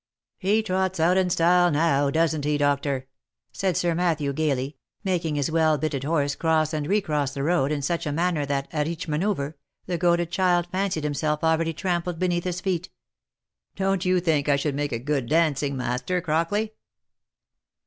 " He trots out in style now, doesn't he, doctor?" said Sir Mat thew gaily, making his well bitted horse cross and recross the road in such a manner, that, at each manoeuvre, the goaded child fancied himself already trampled beneath his feet. " Don't you think I should make a good dancing master, Crockley